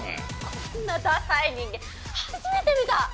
こんなダサい人間初めて見た！